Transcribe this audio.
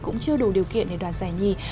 cũng chưa đủ điều kiện để đoạt giải nhì